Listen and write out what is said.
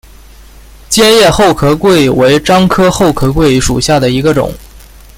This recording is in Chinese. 尖叶厚壳桂为樟科厚壳桂属下的一个种。